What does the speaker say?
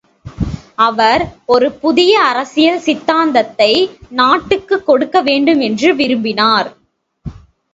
அவர் ஒரு புதிய அரசியல் சித்தாந்தத்தை நாட்டுக்குக் கொடுக்க வேண்டும் என்று விரும்பினார்.